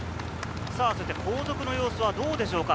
後続の様子はどうでしょうか？